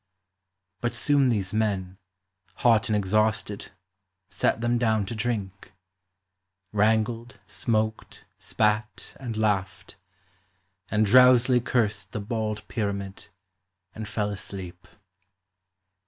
But soon these men, Hot and exhausted, sat them down to drink — Wrangled, smoked, spat, and laughed, and drowsily Cursed the bald Pyramid, and fell asleep.